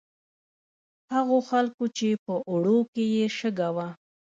هغو خلکو چې په اوړو کې یې شګه وه.